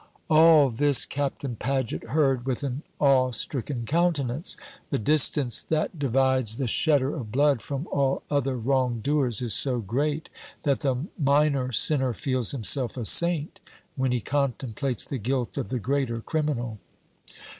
All this Captain Paget heard with an awe stricken countenance. The distance that divides the shedder of blood from all other wrong doers is so great, that the minor sinner feels himself a saint when he contemplates the guilt of the greater criminal.